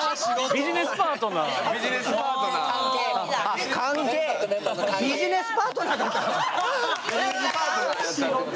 ビジネスパートナーやったってこと？